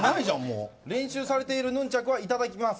練習されているヌンチャクはいただきます。